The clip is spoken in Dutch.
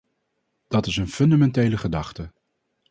Dat is een fundamentele gedachte.